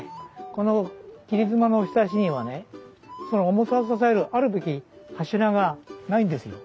この切り妻のひさしにはねその重さを支えるあるべき柱がないんですよ。